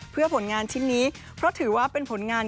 เพื่อผลงานชิ้นนี้เพราะถือว่าเป็นผลงาน